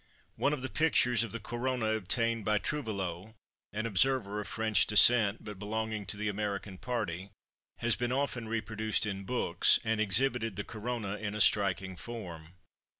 One of the pictures of the Corona obtained by Trouvelot, an observer of French descent, but belonging to the American party, has been often reproduced in books and exhibited the Corona in a striking form.